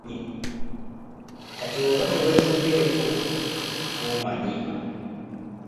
Kati bw'oba teweefuddeeko ggwe omanyi.